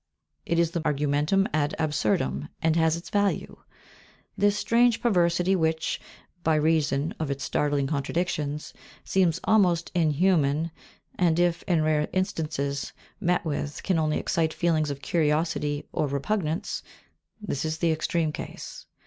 It is the argumentum ad absurdum, and has its value. This strange perversity which, by reason of its startling contradictions, seems almost inhuman, and if, in rare instances, met with, can only excite feelings of curiosity or repugnance this is the extreme case.